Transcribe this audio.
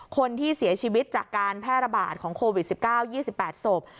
คนที่เสียชีวิตจากการแพร่ระบาดของโควิด๑๙๒๘ศพ